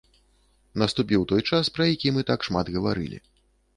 Наступіў той час, пра які мы так шмат гаварылі.